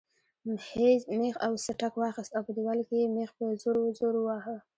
مېخ او سټک واخیست او په دیوال کې یې مېخ په زور زور واهه.